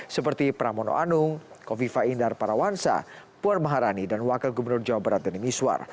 seperti pramono anung kofifa indar parawansa puan maharani dan wakil gubernur jawa barat denny miswar